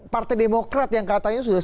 partai demokrat yang katanya sudah